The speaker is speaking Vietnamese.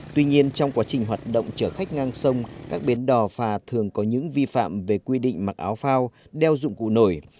tuy nhiên trong quá trình hoạt động chở khách ngang sông các bến đò phà thường có những vi phạm về quy định mặc áo phao đeo dụng cụ nổi